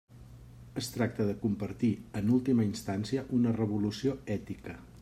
Es tracta de compartir, en última instància una revolució ètica.